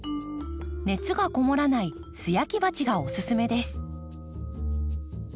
熱がこもらない素焼き鉢がおすすめです。